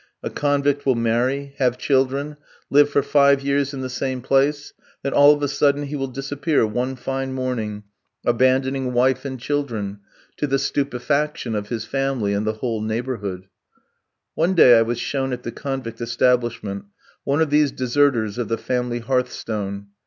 A convict will marry, have children, live for five years in the same place, then all of a sudden he will disappear one fine morning, abandoning wife and children, to the stupefaction of his family and the whole neighbourhood. One day, I was shown at the convict establishment one of these deserters of the family hearthstone.